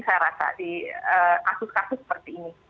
saya rasa di kasus kasus seperti ini